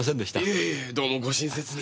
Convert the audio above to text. いえいえどうもご親切に。